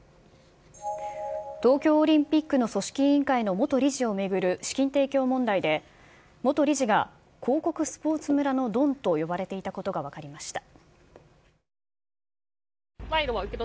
東京オリンピックの組織委員会の元理事を巡る資金提供問題で、元理事が広告スポーツ村のドンと呼ばれていたことが分かりました。